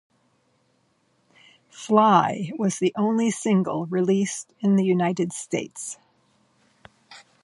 "Fly" was the only single released in the United States.